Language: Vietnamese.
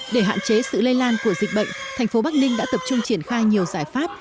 để hạn chế sự lây lan của dịch bệnh thành phố bắc ninh đã tập trung triển khai nhiều giải pháp